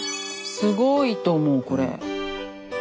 すごいと思うこれ。